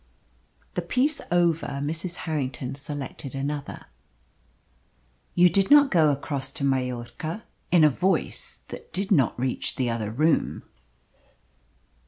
The piece over, Mrs. Harrington selected another. "You did not go across to Mallorca?" she inquired, in a voice that did not reach the other room.